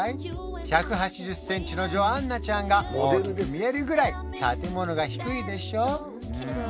１８０センチのジョアンナちゃんが大きく見えるぐらい建物が低いでしょ